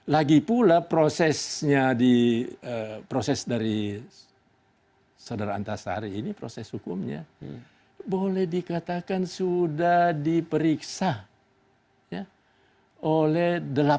lagi pula prosesnya dari saudara antasari proses hukumnya boleh dikatakan sudah diperiksa oleh delapan belas